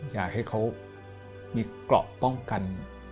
อยากให้เขามีเกราะป้องกัน